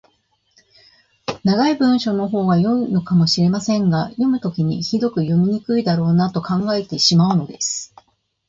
長い文章のほうが良いのかもしれませんが、読むときにひどく読みにくいだろうなと考えてしまうのです。